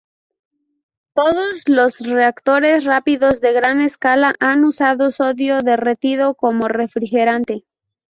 Todos los reactores rápidos de gran escala han usado sodio derretido como refrigerante.